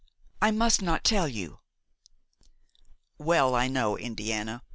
"I must not tell you." "Well, I know, Indiana.